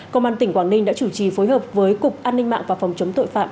công an tỉnh quảng ninh đã chủ trì phối hợp với cục an ninh mạng và phòng chống tội phạm